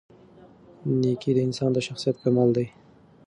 نېکي د انسان د شخصیت کمال دی.